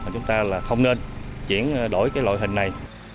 chúng ta là không nên chuyển đổi cái loại hình này